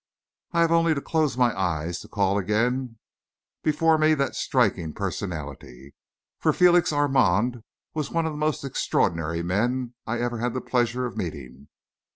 I have only to close my eyes to call again before me that striking personality, for Felix Armand was one of the most extraordinary men I ever had the pleasure of meeting.